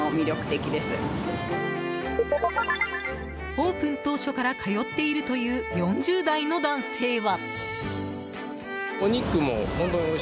オープン当初から通っているという４０代の男性は。